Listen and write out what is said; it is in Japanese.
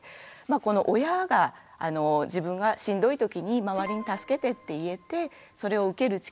親が自分がしんどいときに周りに助けてって言えてそれを受ける力